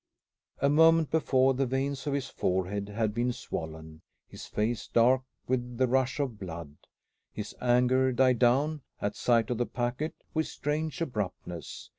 A moment before the veins of his forehead had been swollen, his face dark with the rush of blood. His anger died down, at sight of the packet, with strange abruptness.